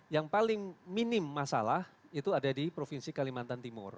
yang paling minim masalah itu ada di provinsi kalimantan timur